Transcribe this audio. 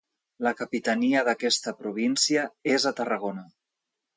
La capitania d'aquesta província és a Tarragona.